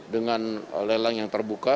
dengan lelang yang terbuka